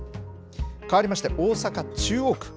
かわりまして、大阪・中央区。